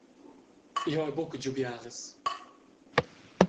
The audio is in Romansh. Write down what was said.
Jeu hai buca giu biaras.